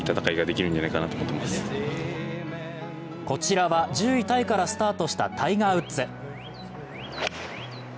こちらは１０位タイからスタートしたタイガー・ウッズ。